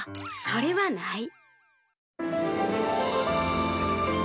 それはない。